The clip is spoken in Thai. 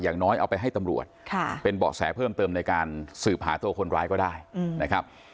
อย่างน้อยเอาไปให้ตำรวจเป็นเบาะแสเพิ่มเติมในการสืบหาตัวคนร้ายก็ได้นะครับ